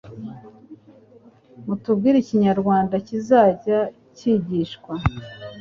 mutubwire ikinyarwanda kizajya kigishwa